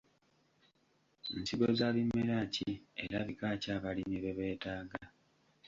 Nsigo za bimera ki era bika ki abalimi bye beetaaga?